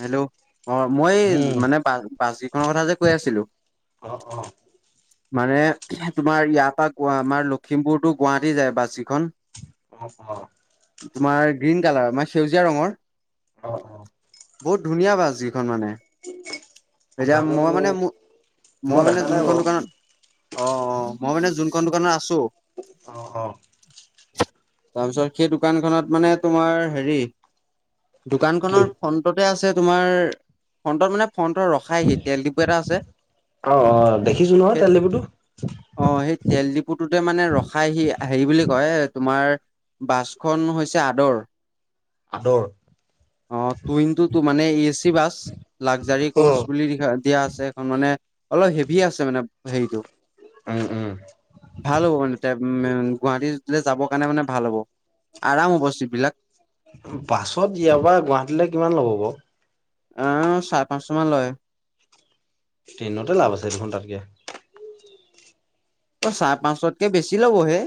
Hello, অ, মই এই উম মানে বা বাছ যিখনৰ কথা যে কৈ আছিলোঁ অ অ [inaudible] মানে [unintelligible] তোমাৰ ইয়াৰ পা কুৱা আমাৰ লখিমপুৰতো গুৱাহাটী যায় বাছ যিখন। [unintelligible] তোমাৰ গ্ৰীণ কালাৰ মানে সেউজীয়া ৰঙৰ অ', অ', বহুত ধুনীয়া বাছ যিখন মানে। অ এতিয়া জানো মই মানে মু মই মানে দেখা নাই যোনখন বাৰু দোকানত অ', অ', মই মানে যোনখন দোকানত আছো অ', অ', তাৰপিছত সেই দোকান খনত মানে তোমাৰ হেৰি কি দোকানখনৰ ফ্ৰনটতে আছে তোমাৰ ফ্ৰন্টত মানে ফ্ৰন্টৰ ৰখ খাইহি তেল ডিপু এটা আছে অ অ দেখিছো নহয় তেল ডিপুটো অ, সেই তেল ডিপুটোতে মানে ৰসাই সি হেৰি বুলি কয় এ তোমাৰ বাছখন হৈছে আদৰ আদৰ। টু ইন টু মানে A C bus. Luxury course উম বুলি লিখা দিয়া আছে সেইখন মানে অলপ হেভি আছে মানে হেইটো। উম-উম ভাল হ'ব মানে [unintelligible] গুৱাহাটীলে যাব কাৰণে মানে ভাল হ'ব আৰাম হব চিটবিলাক। উম, বাছত ইয়াৰ পা গুৱাহাটীলৈ কিমান ল'ব ব? আ, চাৰে পাঁচশ মান লয়। ট্ৰেইনতে লাভ আছে দেখোন তাতকে। অ, চায়ে পাঁচশতকে বেছি ল'বহে।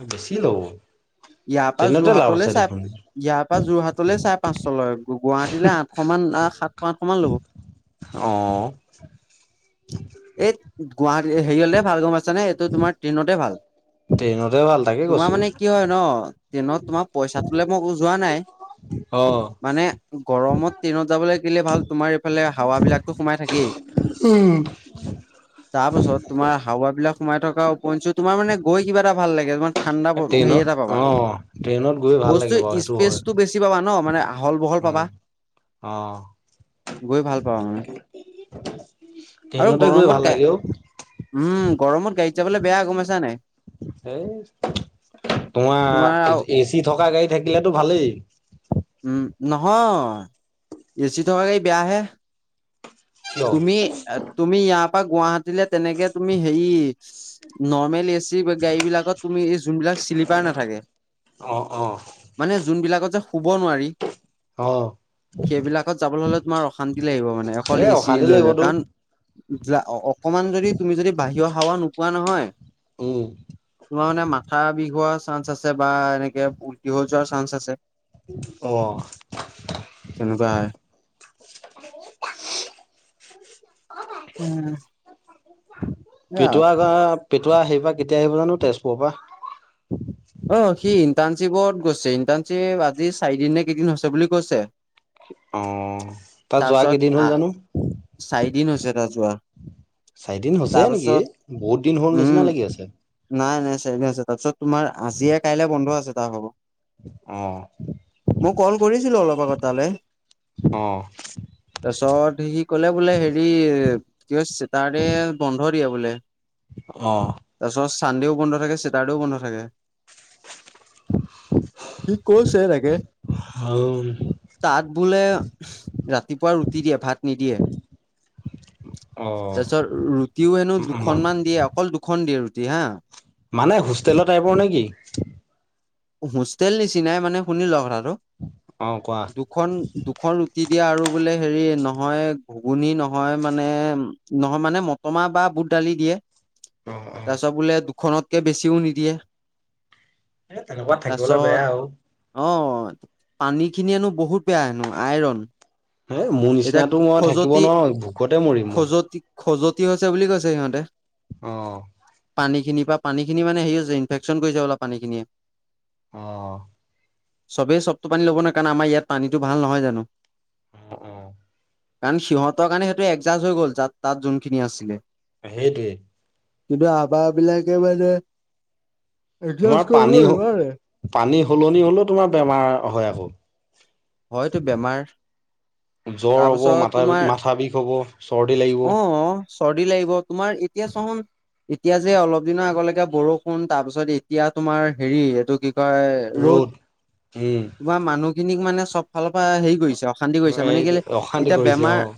উম, বেছি ল' ব। ইয়াৰ পা যোৰহাটলে চাই ইয়াৰ পা যোৰহাটলে চাই পাঁচশ লয় গুৱাহাটীলে আঠ সমান আহ সাতশ, আঠশ মান ল'ব। অ', এইত গুৱাহাটী হেৰি হলে ভাল গম পাইছ নে তোমাৰ ট্ৰেইনতে ভাল ট্ৰেইনতে ভাল তাকে তোমাৰ কৈছো মানে কি হয় ন ট্ৰেইনত তোমাৰ পইচাটোলে মই যোৱা নাই অ মানে গৰমত ট্ৰেইনত যাবলৈ কেলে ভাল তোমাৰ এইফালে হাৱা বিলাকটো সোমাই থাকেই উম তাৰ পাছত তোমাৰ হাৱা বিলাক সোমাই থকা উপএঞ্চি তোমাৰ মানে গৈ কিবা এটা ভাল লাগে ন ঠাণ্ডা প হেৰি ট্ৰেইনত এটা পাবা অ ট্ৰেইনত গৈ ভাল লাগে বস্তু বাৰু সেইটো স্পেচ হয় টো বেছি পাবা ন মানে আহল বহল উম পাবা অ গৈ ভাল পাবা মানে [inaudible] আৰু গৈ গৰমত ভাল গা লাগে অ উম গৰমত গাড়ীত যাবলৈ বেয়া গম পাইছা নাই এ তোমাৰ এচি থকা গাড়ী থাকিলেতো ভালেই উম নহয় এ চি থকা গাড়ী বেয়াহে কিয় তুমি তুমি ইয়াৰ পৰা গুৱাহাটীলে তেনেকে তুমি হেৰি নৰ্মেলি গাড়ী বিলাকত তুমি এই যোনবিলাক শ্লিপাৰ নাথাকে অ অ মানে যোনবিলাকত যে শুব নোৱাৰি অ সেইবিলাকত যাবলৈ হ'লে তোমাৰ অশান্তি লাগিব মানে অকল এ চি অশান্তি লৈ লৈ লাগিবতো কাৰণ অকমান যদি তুমি যদি বাহিৰৰ হাৱা নোপোৱা নহয় অ তোমাৰ মানে মাথা বিষ হোৱা চান্স আছে বা এনেকে উলটি হৈ যোৱাৰ চান্স আছে অ তেনেকুৱা হয় অ বাই উম পটোৱা গ পটোৱা হেৰিপৰা কেতিয়া আহিব জানো তেজপুৰৰ পৰা অ সি ইণ্টাৰ্ণশ্বিপত গৈছে ইণ্টাৰ্ণশ্বিপ আজি চাৰিদিন নে কেইদিন হৈছে বুলি কৈছে। অ তাৰ যোৱা তাৰপিছত কেইদিন হ'ল আহ জানো? চাৰিদিন হৈছে তাৰ যোৱা। চাৰিদিন হৈছে নেকি? তাৰপিছত বহুত দিন হল উম, নিচিনা লাগি আছে। নাই নাই চাৰিদিন আছে তাৰ পিছত তোমাৰ আজিয়ে কাইলে বন্ধ আছে তাৰ হব আহ মই কল কৰিছিলো অলপ আগত‌ তালৈ আহ তাৰপিছত সি কলে বোলে হেৰি কি চেটাৰ দে বন্ধ দিয়ে বোলে অ তাৰপিছত চানডেও বন্ধ থাকে চাটাৰডেও বন্ধ থাকে। সি কৈছে তাকে [unintelligible] তাত বোলে ৰাতিপুৱা ৰুটি দিয়ে ভাত নিদিয়ে। অ তাৰ পিছত ৰুটিও হেনো মই দুখনমান দিয়ে অকল দুখন দিয়ে ৰুটি হা। মানে হোষ্টেলৰ টাইপৰ নে কি? হোষ্টেল নিচিনাই মানে শুনি ল কথাটো, অ কোৱা দুখন দু দুখন ৰুটি দিয়ে আৰু বোলে হেৰি নহয় ঘুগুনি নহয় মানে নহয় মানে মতৰ মাহ বা বুট দালি দিয়ে, অ অ তাৰপিছত বোলে দুখনতকে বেছিও নিদিয়ে। এ তেনেকুৱা থাকিবলে তাৰপিছত বেয়া ঔ। অ পানী খিনি হেনো বহুত বেয়া হেনো আইৰণ। হ মোৰ এতিয়া নিচিনাতো মই থাকিব নোৱাৰো ভোকতে মৰিম মই। খজুৱতি হৈছে বুলি কৈছে সিহঁতে। অ। পানী খিনি পা পানী খিনি মানে সেই হৈছে ইনফেকচন কৰিছে অলপ পানীখিয়ে। অ', চবেই চবটো পানী ল'ব নোৱাৰে কাৰণ আমাৰ ইয়াত পানীটো ভাল নহয় জানো। অ', অ', কাৰণ সিহঁতৰ কাৰণে সেইটো এডজাষ্ট হৈ গ'ল তাত-তাত যোনখিনি আছিলে। সেইটোৱেই। কিন্তু আভাৰ বিলাকে মানে এডজাষ্ট তোমাৰ কৰিব নোৱাৰে পানী-পানী সলনি হলেও তোমাৰ বেমাৰ হয় আকৌ। হয়তো বেমাৰ। জ্বৰ হব তাৰপাছত তোমাৰ মাথা-মাথা বিষ হব চৰ্দি লাগিব। অ', চৰ্দি লাগিব তোমাৰ এতিয়া চুন এতিয়া যে অলপ দিনৰ আগলেকে বৰষুণ, তাৰ পিছত এতিয়া তোমাৰ হেৰি এইটো কি কয় ৰ'দ উম, তোমাৰ মানুহখিনিক মানে চব ফালৰ পৰা হেৰি কৰিছে অশান্তি কৰিছে, এই মানে কেলে অশান্তি এতিয়া কৰিছে বেমাৰ অ'।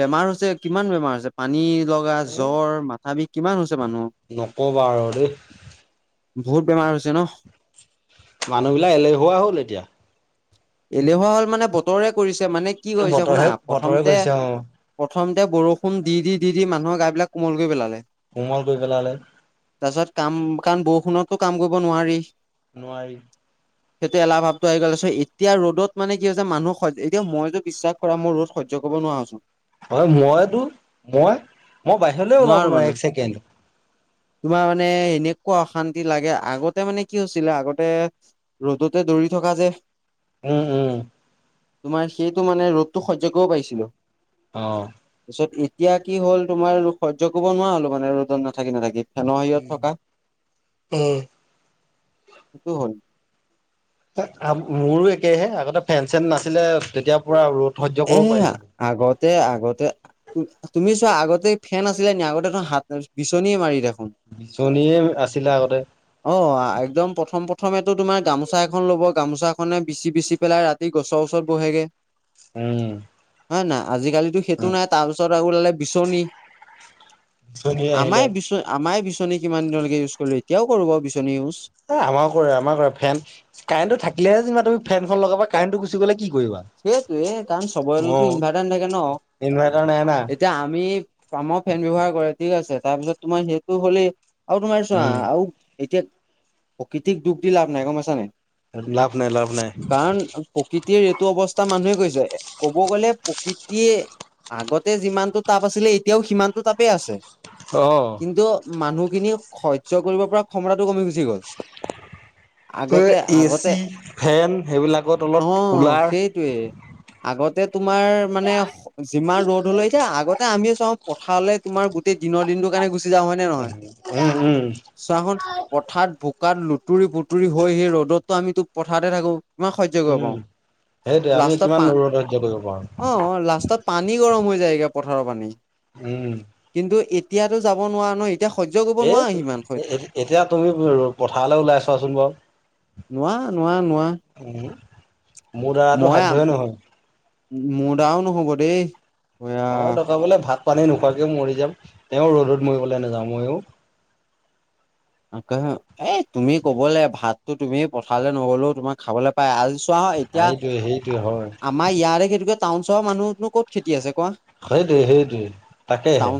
বেমাৰ হৈছে কিমান বেমাৰ হৈছে পানী লগা, এ জ্বৰ, মাথা বিষ, কিমান হৈছে মানুহৰ। নকবা আৰু দেই। বহুত বেমাৰ হৈছে ন। মানুহবিলাক এলেহুৱা হ'ল এতিয়া। এলেহুৱা হ'ল মানে বতৰে কৰিছে, মানে কি কৰিছে শুনা বতৰহে বতৰে প্ৰথমতে কৰিছে অ', প্ৰথমতে বৰষুণ দি-দি-দি-দি মানুহৰ গা বিলাক কোমল কৰি পেলালে। কোমল কৰি পেলালে। তাৰ পিছত কাম কাৰণ বৰষুণতটো কাম কৰিব নোৱাৰি। নোৱাৰি। সেইটো এলাহ ভাৱটো আহ গ'ল, পিছত এতিয়া ৰ'দত মানে কি হৈছে মানুহ হই এতিয়া মই টো বিশ্বাস কৰা মই ৰ'দ সহ্য কৰিব নোৱাৰা হৈছো। হয় মইতো মই-মই বাহিৰলে ওলাব নোৱাৰো এক ছেকেণ্ড। তোমাৰ মানে এনেকুৱা অশান্তি লাগে আগতে মানে কি হৈছিলে আগতে ৰ'দতে দৌৰি থকা যে উম-উম। তোমাৰ সেইটো মানে ৰ'দটো সহ্য কৰিবও পাৰিছিলো। অ', তাৰিছত এতিয়া কি হ'ল তোমাৰ সহ্য কৰিব নোৱাৰ হ'লো মানে ৰ'দত নাথাকি-নাথাকি। ফেনৰ হেৰিয়ত থকা, উম। সেইটো হ'ল। মোৰো একেহে আগতে ফেন-চেন নাছিলে তেতিয়া পুৰা ৰ'দ সহ্য এ কৰিব পাৰিছিলো। আগতে-আগতে তুমি চোৱা আগতে ফেন আছিলে নেকি? আগতে দেন হাত, বিচনীয়ে মাৰি দেখোন। বিছনীয়ে আছিলে আগতে। অ, একদম প্ৰথম প্ৰথমেতো তোমাৰ গামোচা এখন লব গামোচাখনে বিচি-বিচি পেলাই ৰাতি সি গছৰ ওচৰত বহেগে। উম, হয় নে নাই আজিকালিতো সেইটো নাই তাৰপিছত আৰু ওলালে বিচনী। বিচনী আহিলে। আমাই বিচ আমাই বিচনী কিমান দিনলৈকে ইউজ কৰিলো, এতিয়াও কৰো বাৰু বিচনী ইউজ। এ আমাৰো কৰে আমাৰ কৰে ফেন কাৰেণ্টটো থাকিলেহে যেনিবা তুমি ফেনখন লগাবা কাৰেণ্টটো গুচি গ'লে কি কৰিবা? সেইটোৱে কাৰণ চবৰেতো ইনভাৰ্টাৰ নথাকে ন ইনভাৰ্টাৰ নাই না এতিয়া আমি কামৰ ফেন ব্যৱহাৰ কৰে, ঠিক আছে তাৰপিছত তোমাৰ সেইটো হ'লেই আৰু তোমাৰ চোৱা উম আৰু এতিয়া প্ৰকৃতিক দুখ দি লাভ নাই গম পাইছানে? লাভ নাই-লাভ নাই। প্ৰকৃতিৰ এইটো অৱস্থা মানুহে কৰিছে, ক'ব গ'লে প্ৰকৃতিয়ে আগতে যিমানটো তাপ আছিলে এতিয়াও সিমানটো তাপেই আছে। অ', কিন্তু মানুহখিনিৰও সহ্য কৰিব পৰা ক্ষমতাটো কমি গুচি গ'ল। ত‌য় আগতে আগতে এচি ফেন সেইবিলাকত অ অলপ কুলাৰ সেইটোৱে আগতে তোমাৰ মানে অস হ যিমান ৰ'দ হলে এতিয়া আগতে আমিও চাওঁ পথাৰলে তোমাৰ গোটেই দিনৰ দিনটো কাৰণে গুচি যাওঁ হয় নে নহয়? উম উম চোৱাসোন পথাৰত বোকাত লুতুৰি-পুুতুৰি হৈ সেই ৰ'দতটো আমিতো পথাৰতে থাকো। কিমান সহ্য কৰিব উম পাওঁ। সেইটোৱে আমি লাষ্টত কিমান পা ৰ'দ সহ্য কৰিব পাৰো অ অ লাষ্টত পানী গৰম হৈ যায়গে পথাৰৰ পানী। হুম উ উ। কিন্তু এতিয়াতো যাব নোৱাৰা ন? এতিয়া সহ্য কৰিব হে নোৱাৰা হেই সিমান স এ এদি এতিয়া তুমিবোৰ অলপ পথাৰলৈ ওলাইছোৱাচোন বাৰু। নোৱাৰা, নোৱাৰা, নোৱাৰা, উম উ, মোৰ দ্বাৰাটো সাধ্যয়ে নহয়। মো মোৰ দ্বাৰাও নহ'ব দেই। এয়া অ দৰকাৰ পৰিলে ভাত পানী নোখোৱাকেও মৰি যাম তেওঁ ৰ'দত মৰিবলৈ নাযাওঁ মইয়ো। তাকেহে এ তুমি কবলৈ ভাতটো তুমি পথাৰে নগলেও তোমাক খাবলৈ পাই আলচোন চোৱা এতিয়া আ সেইটোৱে সেইটোৱে হয় আমাৰ ইয়াৰে খেইেতুকে টাউন-চহৰ মানুহনো ক'ত খেতি আছে কোৱা। সেইটোৱে সেইটোৱে তাকেহে।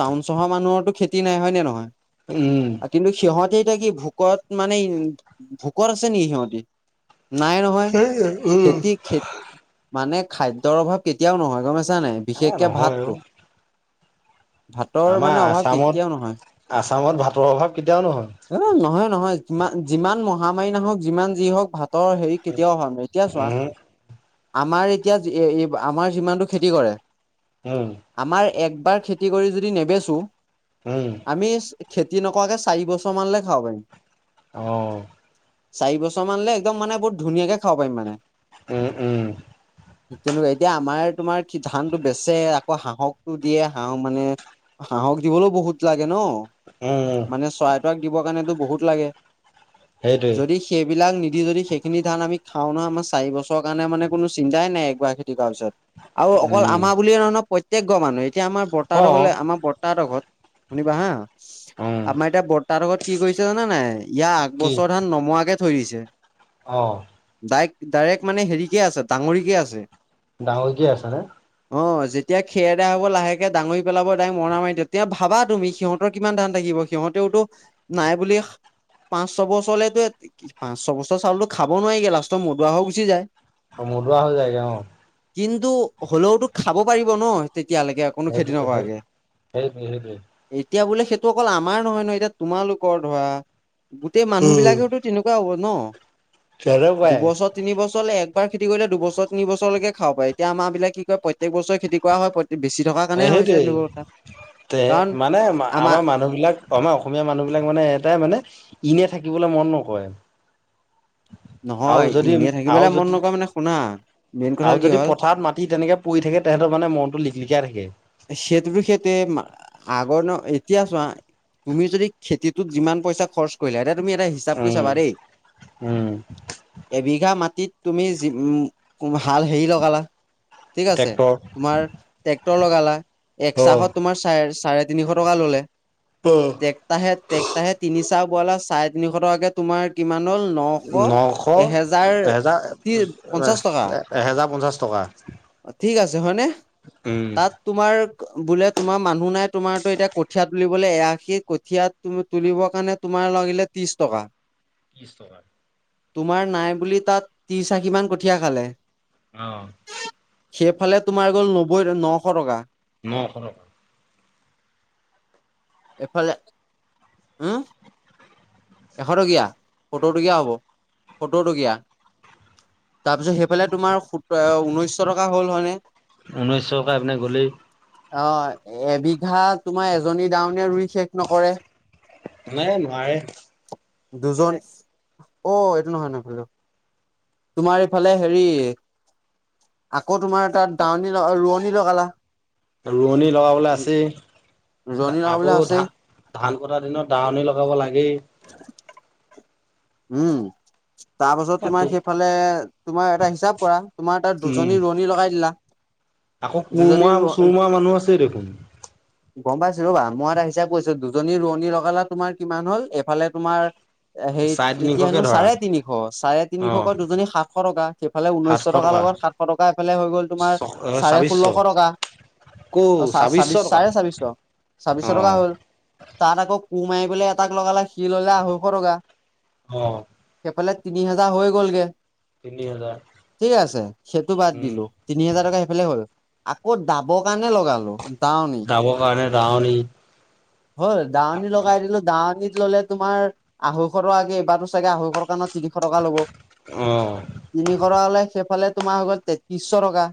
টাউন-চহৰ মানুহৰটো খেতি নাই হয় নে নহয়? উমহ উম উম ত। কিন্তু সিহঁতে এতিয়া কি ভোকত মানে ভোকত আছে নেকি সিহঁতি নাই ৰবা সেইয়ে উম। খেতি, খেত মানে খাদ্যৰ অভাৱ কেতিয়াও নহয় গম পাইছানে এ বিশেষকে নহয় অ ভাতটো। ভাতৰ মানে অভাৱ কেতিয়াও নহয়। আসামত ভাতৰ অভাৱ কেতিয়াও নহয়। এ নহয় নহয় যিমান যিমান মহামাৰী নহওক যিমান যি হওক ভাতৰ হেৰি কেতিয়াও হোৱা নাই। এতিয়া চোৱা উম আমাৰ এতিয়া যি এ এ এবাৰ আমাৰ যিমানতটো খেতি কৰে উম উ উ। আমাৰ একবাৰ খেতি কৰি যদি নেবেচো উম উ উ। আমি ইস খেতি নকৰাকে চাৰি বছৰ মানলৈ খাব পাৰিম। অ অ অ অ। চাৰি বছৰমানলে একদম মানে বহুত ধুনীয়াকে খাব পাৰিম মানে। উম, উম। [unintelligible] এ তেনেকুৱা এতিয়া আমাৰ তোমাৰ কি ধানতটো বেচে আকৌ হাঁহকটো দিয়ে হাঁহ মানে হাঁহক দিবলৈও বহুত লাগে ন। উম উম উত। মানে চৰাইক-টৰাইক দিবৰ কাৰণেতো বহুত লাগে, সেইটোৱে যদি সেইবিলাক নিদি যদি সেইখিনি ধান আমি খাওঁ নহ আমাৰ চাৰি বছৰৰ কাৰণে মানে কোনো চিন্তাই নাই একবাৰ খেতি কৰাৰ পিছত। আৰু অকল উম আমাৰ বুলিয়ে নহয় ন প্ৰত্যেকঘৰ মানুহে। এতিয়া আমাৰ অ বৰ্তাহতৰ ঘৰলে আমাৰ বৰ্তাহতৰ ঘৰত শুনিবা হা। ইস সি উম সা আমাৰ এতিয়া বৰ্তাহতৰ ঘৰত কি কৰিছে জানে নাই ইয়াৰ কি আগবছৰ ধান নমোৱাকে থৈ দিছে। অ অ অ। ডাইৰেক্ট ডাইৰেক্ট মানে হেৰিকে আছে ডাঙৰিকে আছে। ডাঙৰিকে আছে নে? অ যেতিয়া খেৰদৰা হ'ব লাহেকে ডাঙৰি পেলাব দাৰেক মৰণা মাৰি তেতিয়া ভাবা তুমি সিহঁত ভাবা কিমান ধান থাকিব সিহঁতেওতো নাই বুলি সা পাঁচ-ছয় বছৰলেতো এ কি পাঁচ-ছয় বছৰ চাউলটো খাব নোৱাৰিগে লাষ্টৰ মদুৱাহ হৈ গুচি যায়। অ মদুৱা‌ হৈ যাইগে অ অ অ। কিন্তু হলেওতো খাব পাৰিব ন তেতিয়ালৈকে কোনো সেইটো খেতি কথা নকৰাকে। সেইটোৱেই সেইটোৱেই এতিয়া বোলে সেইটো অকল আমাৰ নহয় নহয় এতিয়া তোমালোকৰ ধৰা গোটেই মানুহ উম বিলাকেওতো তেনেকুৱা হ'ব ন তেনেকুৱাই দুবছৰত তিন বছৰলৈ একবাৰ খেতি কৰিলে দুবছৰ তিনি বছৰলৈকে খাব পাৰি, এতিয়া আমাৰ বিলাক কি কৰে প্ৰত্যেক বছৰে খেতি কৰা হয় প্ৰত্যেক, বেছি থকাৰ এ কাৰণে হৈছে সেইটোৱে এনেকুৱা কথা তে কাৰণ মানে আমাৰ মানুহ বিলাক আমাৰ অসমীয়া মানুহ বিলাক মানে এটাই মানে ইনে থাকিবলৈ মন নকৰে। আৰু নহয় যদি এনেই আৰু থাকিবলৈ মন যদি নকৰে মানে শুনা মেইন কথা আৰু কি যদি হ'ল পথাৰত মাটি তেনেকে পৰি থাকে তেহেতৰ মানে মনটো লিকলিকিয়াই থাকে। সেইটো টো সেইটোৱেই আগৰ ন এতিয়া চোৱা, তুমি যদি খেতিটোত যিমান পইচা খৰচ কৰিলা এতিয়া তুমি এটা হিচাপ কৰি উম চাবা দেই উম এবিঘা মাটিত তুমি হাল হেৰি লগালা ঠিক আছে ট্ৰেক্টৰ তোমাৰ ট্ৰেক্টৰ লগালা এক অ চাহত তোমাৰ চাৰে চাৰে তিনিশ টকা ললে অ টেক্টাহে টেক্টাহে তিনি চাহ বোৱালা চাৰে তিনিশ টকাকে তোমাৰ কিমান হ'ল নশ নশ এহেজাৰ এহেজাৰ ত্ৰি পঞ্চাশ টকা এহেজাৰ পঞ্চাছ টকা অ ঠিক আছে হয়নে উম তাত তোমাৰ বোলে তোমাৰ মানুহ নাই তোমাৰতো এতিয়া কঠিয়াত তুলিবলে এয়া সি কঠিয়াত তুলিবৰ কাৰণে তোমাৰ লাগিলে ত্ৰিশ টকা। ত্ৰিশ টকা। তোমাৰ নাই বুলি তাত ত্ৰিছ আশী মান কঠীয়া খালে। অ সেইফালে তোমাৰ গ'ল নব্বৈ নশ টকা নশ টকা। এফালে হ এশ টকীয়া সত্তৰ টকীয়া হ'ব সত্তৰ টকীয়া তাৰপিছত সেইফালে তোমাৰ ঊনৈশ টকা হ'ল হয়নে? ঊনৈশ টকা সেইপিনে গলেই। অ এবিঘা তোমাৰ এজনী ডাৱনীয়ে ৰুই শেষ নকৰে নাই নোৱাৰে দুজন অ এইটো নহয় নহয় তোমাৰ এইফালে হেৰি আকৌ তোমাৰ তাত দাৱনী ৰোৱনী লগালা ৰোৱনী লগাবলৈ আছে ৰোৱনী লগাবলৈ আকৌ আছেই ধান কটাৰ দিনত দাৱনী লগাব লাগেই [unintelligible] উম তাৰ পাছত তো তোমাৰ সেইফালে তোমাৰ এটা হিচাপ কৰা তোমাৰ তাত উম দুজনী ৰোৱনী লগাই দিলা [unintelligible] আকৌ কোৰমৰা দুজনী চুৰমৰা মানুহ আছে দেখোন [unintelligible] গম পাইছোঁ ৰবা মই এটা হিচাপ কৰিছোঁ দুজনী ৰোৱনী লগালা তোমাৰ কিমান হল এইফালে তোমাৰ সেই চাৰে এতিয়া তিনিশকে হেনো ধৰা চাৰে তিনিশ চাৰে অ তিনিশকৈ দুজনী সাতশ টকা সেইফালে ঊনৈশ সাতশ টকাৰ টকা লগত টকা এফালে হৈ গ'ল ছ তোমাৰ চাৰে ছাব্বিছশ ষোল্লশ টকা কৌ অ চ ছাব্বিছশ ছাব্বিশ টকা চাৰে ছাব্বিশ অ ছাব্বিশ টকা হ'ল তাত আকৌ কুৰ মাৰিবলে এটাক লগালে সি ললে আঢ়ৈশ টকা। অ', সেইফালে তিনি হাজাৰ হৈ গলগে, তিনি হাজাৰ ঠিক আছে সেইটো বাদ উম দিলো। তিনি হোজাৰ টকা সেইফালে হ'ল, আকৌ দাবৰ কাৰণে লগালো। দাৱনী দাবৰ কাৰণে দাৱনী হল দাৱনী লগাই দিলো দাৱনিত ললে তোমাৰ আঢ়ৈ শ টকাকে এইবাৰটো চাগে আঢ়ৈশ টকাত তিনিশ টকা ল'ব, অ তিনিশ হলে সেইফালে তোমাৰ হৈ গ'ল তেত্ৰিশশ টকা।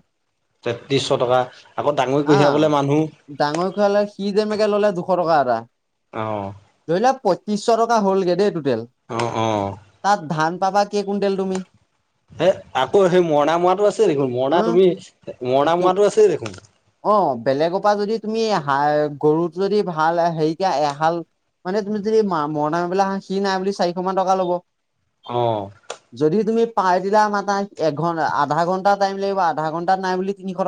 তেত্ৰিশশ টকা আকৌ ডাঙৰি কঢ়িয়াবলে মানুহ ডাঙৰী খোৱালে সি যেনেকে ললে দুশ টকা এটা। অ', ধৰি লোৱা পঁয়তিশ টকা হল গে দেই টুটেল। অ', অ', তাত ধান পাবা কেই কুইণ্টেল তুমি? হে আকৌ সেই মৰণা মৰাটো আছেই দেখোন মৰণা উম তুমি মৰণা তো মৰাটো আছেই দেখোন। অ, বেলেগৰ পৰা যদি তুমি গৰুটো যদি ভাল হেৰি দিয়া এহাল মানে তুমি যদি মৰণা মাৰিবলৈ অনা সি নাই বুলিও চাৰিশ মান টকা ল'ব। অ', যদি তুমি পাৰি দিলা মানে ঘন্টাৰ আধা ঘন্টা টাইম লাগিব, আধা ঘন্টা নাই বুলি তিনিশ